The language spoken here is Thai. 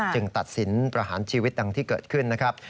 ตัดสินประหารชีวิตดังที่เกิดขึ้นนะครับ